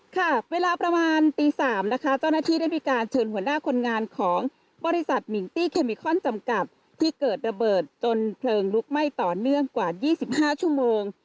ค่ะเวลาประมาณตี๓นะคะเจ้าหน้าที่ได้มีการเชิญหัวหน้าคนงานของบริษัทมิงตี้เคมิคอนจำกัดที่เกิดระเบิดจนเพลิงลุกไหม้ต่อเนื่องกว่า๒๕ชั่วโมง